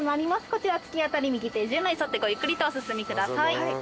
こちら突き当たり右手順路に沿ってごゆっくりとお進みください。